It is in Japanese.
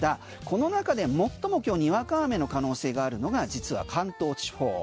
この中で最も今日にわか雨の可能性があるのが実は関東地方。